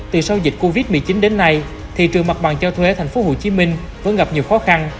từ sau dịch covid một mươi chín đến nay thị trường mặt bằng cho thuê thành phố hồ chí minh vẫn gặp nhiều khó khăn